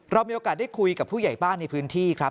เรามีโอกาสได้คุยกับผู้ใหญ่บ้านในพื้นที่ครับ